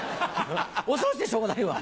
恐ろしくてしょうがないわ。